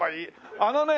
あのね